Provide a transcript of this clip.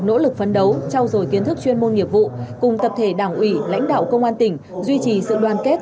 nỗ lực phấn đấu trao dồi kiến thức chuyên môn nghiệp vụ cùng tập thể đảng ủy lãnh đạo công an tỉnh duy trì sự đoàn kết